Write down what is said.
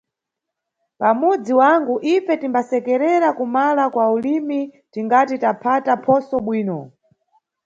Pamudzi wangu ife timbasekerera kumala kwa ulimi tingati taphata phoso bwino.